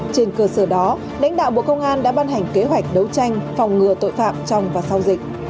trên cơ sở đó lãnh đạo bộ công an đã ban hành kế hoạch đấu tranh phòng ngừa tội phạm trong và sau dịch